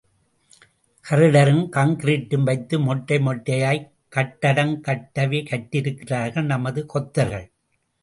கர்டரும் கான்கிரீட்டும் வைத்து மொட்டை மொட்டையாய் கட்டடம் கட்டவே கற்றிருக்கிறார்கள் நமது கொத்தர்கள்.